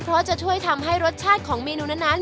เพราะจะช่วยทำให้รสชาติของเมนูนั้น